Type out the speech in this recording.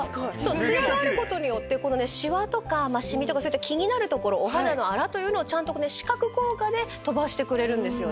ツヤがあることによってしわとかしみとか気になるところお肌のあらというのをちゃんと視覚効果で飛ばしてくれるんですよね。